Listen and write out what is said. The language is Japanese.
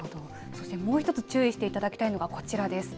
そしてもう１つ注意していただきたいのがこちらです。